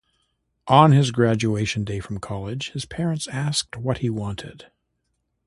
On his graduation day from college, his parents asked what he wanted.